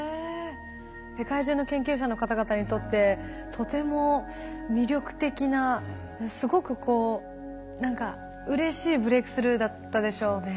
世界中の研究者の方々にとってとても魅力的なすごくこう何かうれしいブレークスルーだったでしょうね。